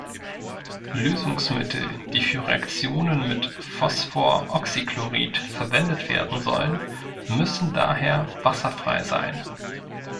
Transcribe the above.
Lösungsmittel, die für Reaktionen mit Phosphoroxychlorid verwendet werden sollen, müssen daher wasserfrei sein.